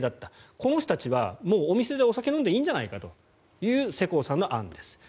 この人たちはお店でお酒を飲んでいいんじゃないかという世耕さんの案です。